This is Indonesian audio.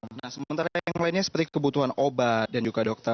nah sementara yang lainnya seperti kebutuhan obat